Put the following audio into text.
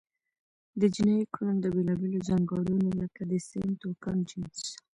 د جنایي کړنو د بیلابېلو ځانګړنو لکه د سن، توکم، جنس،